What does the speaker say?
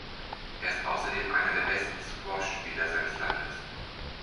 Er ist außerdem einer der besten Squashspieler seines Landes.